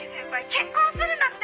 結婚するんだって！